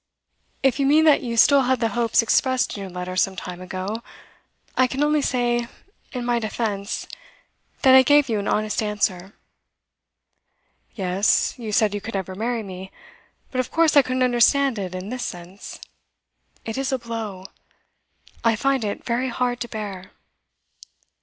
'If you mean that you still had the hopes expressed in your letter some time ago, I can only say, in my defence, that I gave you an honest answer.' 'Yes. You said you could never marry me. But of course I couldn't understand it in this sense. It is a blow. I find it very hard to bear.